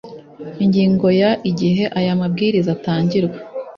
ingingo ya igihe aya mabwiriza atangirwa